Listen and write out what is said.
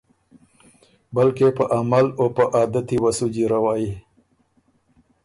بلکې په عمل او په عادتی وه سُو جیروئ۔